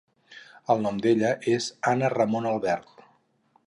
El nom d'ella és Anna Ramon Albert.